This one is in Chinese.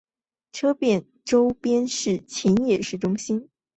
车站周边是秦野市中心。